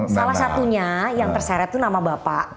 salah satunya yang terseret itu nama bapak